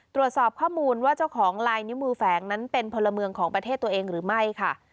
ตรวจสอบข้อมูลว่าเจ้าของลายนิ้วมือแฝงนั้นเป็นพลเมืองของประเทศตัวเองหรือไม่ค่ะ